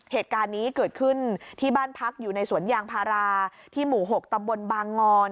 เหตุการณ์นี้เกิดขึ้นที่บ้านพักอยู่ในสวนยางพาราที่หมู่๖ตำบลบางงอน